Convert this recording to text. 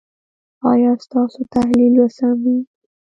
ایا ستاسو تحلیل به سم وي؟